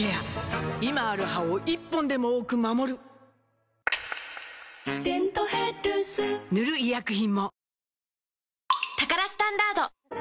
今ある歯を１本でも多く守る「デントヘルス」塗る医薬品も